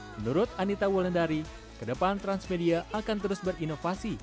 menurut anita wolendari kedepan transmedia akan terus berinovasi